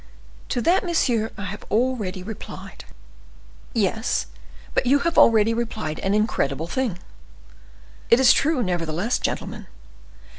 "To that, monsieur, I have already replied." "Yes, but you have already replied an incredible thing." "It is true, nevertheless, gentlemen.